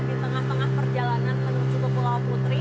di tengah tengah perjalanan menuju ke pulau putri